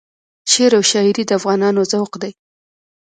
شعر او شایري د افغانانو ذوق دی.